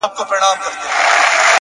دومره حيا مه كوه مړ به مي كړې؛